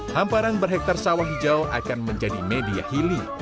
hamparan berhektar sawah hijau akan menjadi media healing